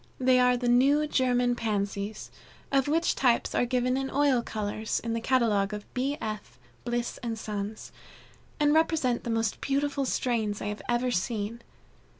They are the "New German Pansies," of which types are given in oil colors, in the catalogue of B. F. Bliss & Sons, and represent the most beautiful strains I have ever seen.